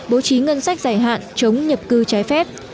bố trí ngân sách dài hạn chống nhập cư trái phép